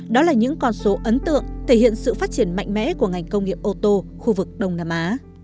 đó là những con số ấn tượng thể hiện sự phát triển mạnh mẽ của ngành công nghiệp ô tô khu vực đông nam á